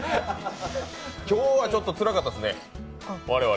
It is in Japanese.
今日はちょっとつらかったですね、我々。